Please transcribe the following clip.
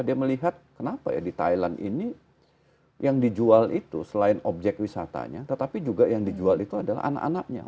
dia melihat kenapa ya di thailand ini yang dijual itu selain objek wisatanya tetapi juga yang dijual itu adalah anak anaknya